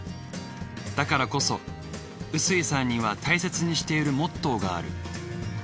だからこそ臼井さんには大切にしているモットーがある。